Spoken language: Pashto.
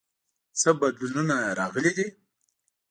څه بدلونونه راغلي دي؟